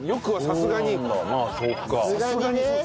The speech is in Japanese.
さすがにね。